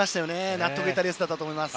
納得のいったレースだったと思います。